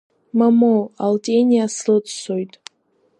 Мамоу, Алтениа слыццоит.